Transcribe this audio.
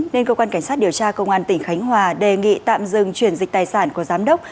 nên cơ quan cảnh sát điều tra công an tỉnh khánh hòa đề nghị tạm dừng chuyển dịch tài sản của giám đốc